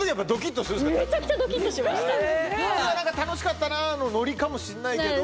「何か楽しかったな」のノリかもしんないけれども。